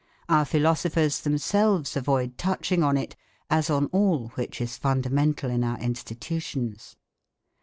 Our philosophers themselves avoid touching on it, as on all which is fundamental in our institutions.